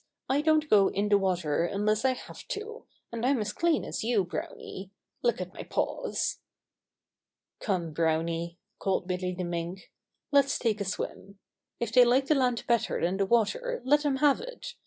I don't go in the water Bobby's Friends Quarrel 99 unless I have to, and I'm as clean as you, Browny. Look at my paws." "Come, Browny," called Billy the Mink, "let's take a swim. If they like the land bet ter than the water let them have it.